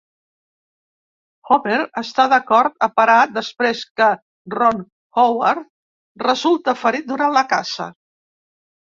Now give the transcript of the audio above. Homer està d'acord a parar després que Ron Howard resulta ferit durant la caça.